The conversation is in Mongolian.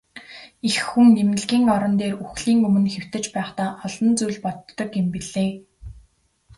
Эх хүн эмнэлгийн орон дээр үхлийн өмнө хэвтэж байхдаа олон зүйл боддог юм билээ.